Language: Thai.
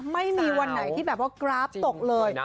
ไม่มีวันไหนที่แบบว่ากราฟตกเลย